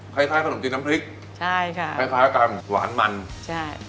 คล้ายขนมจีนน้ำพริกใช่ค่ะคล้ายคล้ายกันหวานมันใช่